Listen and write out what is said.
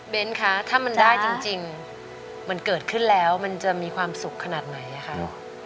คะถ้ามันได้จริงมันเกิดขึ้นแล้วมันจะมีความสุขขนาดไหนคะ